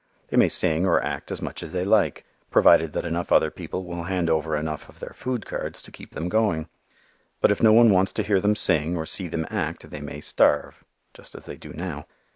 They may sing or act as much as they like, provided that enough other people will hand over enough of their food cards to keep them going. But if no one wants to hear them sing or see them act they may starve, just as they do now.